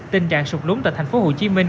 tình trạng sụp lúng tại thành phố hồ chí minh